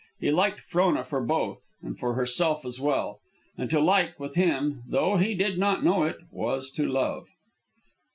He liked Frona for both, and for herself as well. And to like, with him, though he did not know it, was to love.